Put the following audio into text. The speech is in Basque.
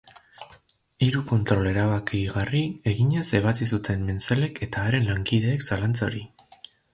Hiru kontrol erabakigarri eginez ebatzi zuten Menzelek eta haren lankideek zalantza hori.